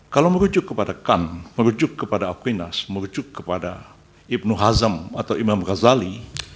kalau merujuk kepada kami merujuk kepada akuinas merujuk kepada ibnu hazam atau imam ghazali